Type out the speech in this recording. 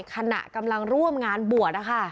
ขณะกำลังร่วมงานบวชนะคะ